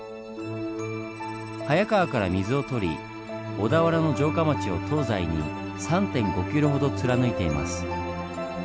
早川から水を取り小田原の城下町を東西に３．５ｋｍほど貫いています。